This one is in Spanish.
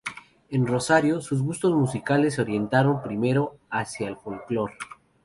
En Rosario, sus gustos musicales se orientaron primero hacia el folklore.